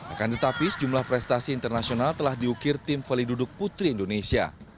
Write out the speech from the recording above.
akan tetapi sejumlah prestasi internasional telah diukir tim volley duduk putri indonesia